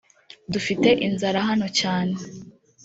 dufite inzara hano cyane »